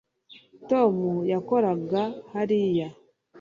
tom yakoraga hariya